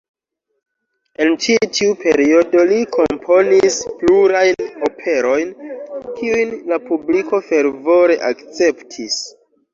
En ĉi tiu periodo li komponis plurajn operojn, kiujn la publiko fervore akceptis.